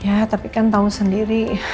ya tapi kan tahu sendiri